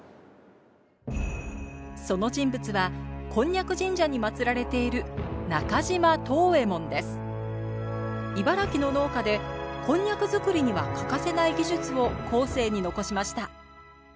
その人物は蒟蒻神社に祭られている茨城の農家でこんにゃく作りには欠かせない技術を後世に残しました。